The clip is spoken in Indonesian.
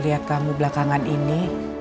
lihat kamu belakangan ini